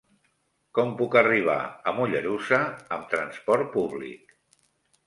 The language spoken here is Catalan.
Com puc arribar a Mollerussa amb trasport públic?